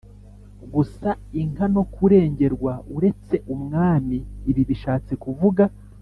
Gusa inka no kurengerwa uretse umwami ibi bishatse kuvuga